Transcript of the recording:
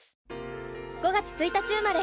５月１日生まれ。